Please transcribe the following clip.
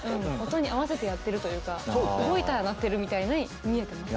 音に合わせてやってるというか動いたら鳴ってるみたいに見えてます。